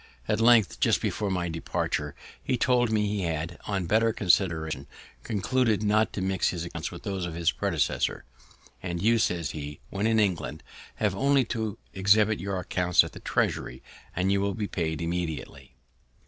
At length, just before my departure, he told me he had, on better consideration, concluded not to mix his accounts with those of his predecessors. "And you," says he, "when in England, have only to exhibit your accounts at the treasury, and you will be paid immediately."